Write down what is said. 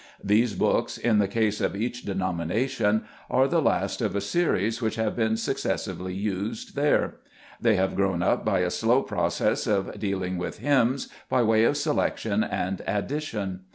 These books, in the case of each denomination, are the last of a series which have been successively used there. They have grown up by a slow process of dealing with hymns, by way of selection and addition.